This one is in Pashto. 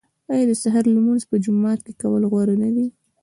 آیا د سهار لمونځ په جومات کې کول غوره نه دي؟